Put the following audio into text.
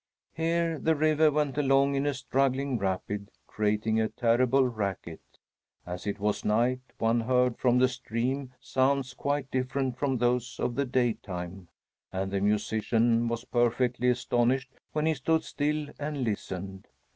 Here the river went along in a struggling rapid, creating a terrible racket. As it was night, one heard from the stream sounds quite different from those of the daytime, and the musician was perfectly astonished when he stood still and listened.